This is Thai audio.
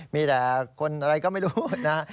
มีแต่คนอะไรก็ไม่รู้นะ